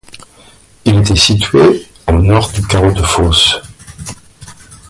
Il était situé au nord du carreau de fosse.